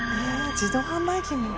自動販売機も？ええ？